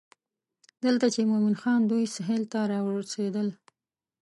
دلته چې مومن خان دوی سهیل ته راورسېدل.